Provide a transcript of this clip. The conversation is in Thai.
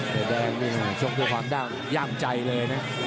ส่วนตัวความด้านย่ามใจเลยนะ